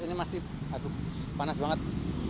ini masih panas banget